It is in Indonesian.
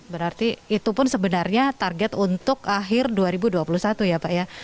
berarti itu pun sebenarnya target untuk akhir dua ribu dua puluh satu ya pak ya